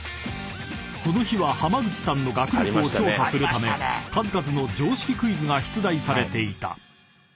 ［この日は濱口さんの学力を調査するため数々の常識クイズが出題されていた］